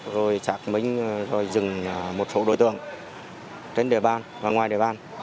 rồi xác minh rồi dừng một số đối tượng trên địa bàn và ngoài địa bàn